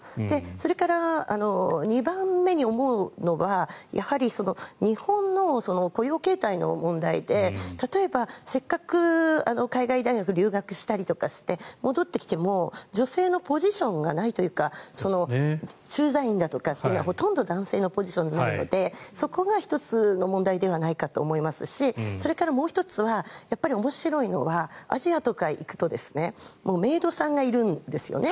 それから２番目に思うのはやはり日本の雇用形態の問題で例えば、せっかく海外大学に留学したりとかして戻ってきても女性のポジションがないというか駐在員とかというのはほとんど男性のポジションになるのでそこが１つの問題ではないかと思いますしそれからもう１つは面白いのは、アジアとか行くとメイドさんがいるんですよね。